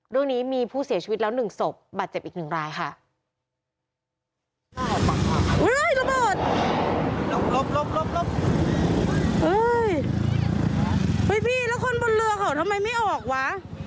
ร่วงนี้มีผู้เสียชีวิตแล้ว๑ศพบัตรเจ็บอีก๑รายค่ะ